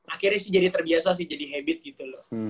akhirnya sih jadi terbiasa sih jadi habit gitu loh